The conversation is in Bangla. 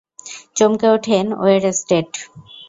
চমকে ওঠেন ওয়েরস্টেড!